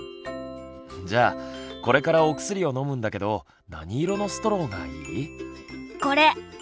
じゃあこれからお薬を飲むんだけど何色のストローがいい？これ。